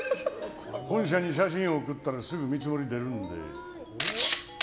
本社に写真を送ったらすぐ見積もり出るんで。